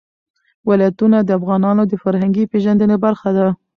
ولایتونه د افغانانو د فرهنګي پیژندنې برخه ده.